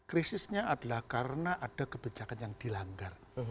krisisnya adalah karena ada kebijakan yang dilanggar